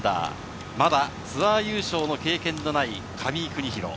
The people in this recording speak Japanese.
まだツアー優勝の経験のない、上井邦浩。